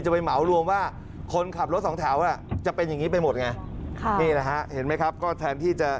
จะไปเหมารวมว่าคนขับรถ๒แถวก็จะเป็นอย่างนี้ไปหมดไง